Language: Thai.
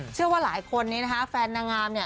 เชื่อว่าหลายคนนี้นะคะแฟนนางงามเนี่ย